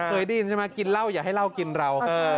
เคยได้ยินใช่ไหมกินเหล้าอย่าให้เหล้ากินเรา